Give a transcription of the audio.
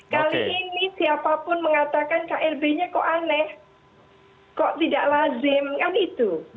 kali ini siapapun mengatakan klb nya kok aneh kok tidak lazim kan itu